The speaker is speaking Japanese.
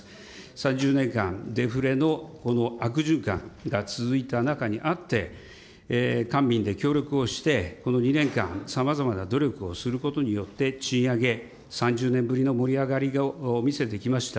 ３０年間、デフレの悪循環が続いた中にあって、官民で協力をして、この２年間、さまざまな努力をすることによって賃上げ、３０年ぶりの盛り上がりを見せてきました。